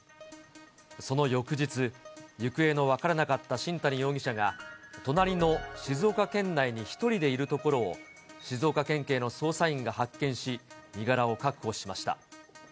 その翌日、行方の分からなかった新谷容疑者が、隣の静岡県内に１人でいるところを、静岡県警の捜査員が発見し、身柄を確保しました。